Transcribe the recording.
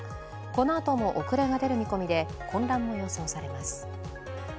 このあとも遅れが出る見込みで混乱も予想されます。